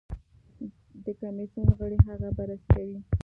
د کمېسیون غړي هغه بررسي کوي.